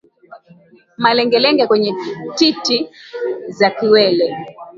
Malengelenge kwenye titi za kiwele